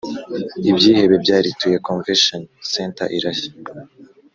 Ibyihebe byarituye convention centre irashya